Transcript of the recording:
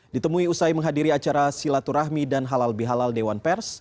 ditemui usai menghadiri acara silaturahmi dan halal bihalal dewan pers